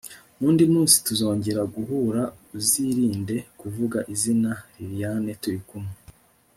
nundi munsi tuzongera guhura uzirinde kuvuga izina liliane turi kumwe